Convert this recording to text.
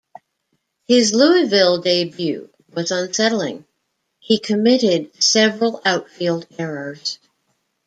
His Louisville debut was unsettling; he committed several outfield errors.